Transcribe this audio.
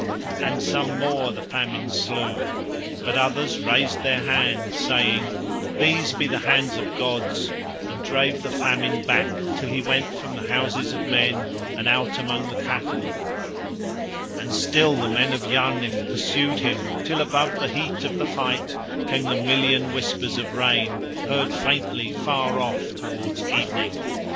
And some more the Famine slew, but others raised their hands saying: "These be the hands of gods," and drave the Famine back till he went from the houses of men and out among the cattle, and still the men of Yarnith pursued him, till above the heat of the fight came the million whispers of rain heard faintly far off towards evening.